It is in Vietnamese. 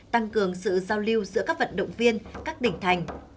tăng cường sự giao lưu giữa các vận động viên các tỉnh thành